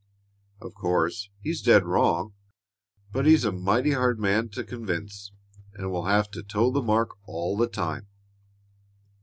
Of course, he's dead wrong, but he's a mighty hard man to convince, and we'll have to toe the mark all the time.